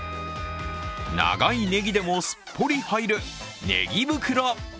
長いねぎでもすっぽり入るねぎ袋。